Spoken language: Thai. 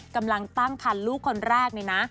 กำลังตั้งคันลูกคนแรกเลยนะ